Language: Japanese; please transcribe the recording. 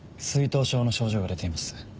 水頭症の症状が出ています。